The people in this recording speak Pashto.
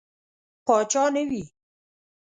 پاچا نه وي.